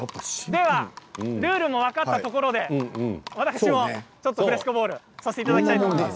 ルールも分かったところで私もちょっと、フレスコボールさせていただきたいと思います。